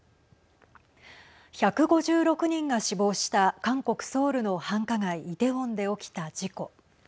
１５６人が死亡した韓国ソウルの繁華街イテウォンで起きた事故。